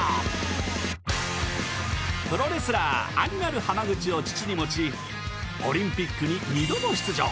プロレスラー・アニマル浜口を父に持ちオリンピックに２度も出場！